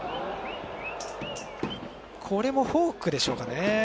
これもフォークでしょうかね。